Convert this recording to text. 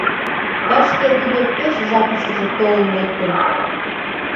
Тышке тудо пеш жапыштыже толын лектын.